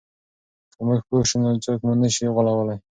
که موږ پوه سو نو څوک مو نه سي غولولای.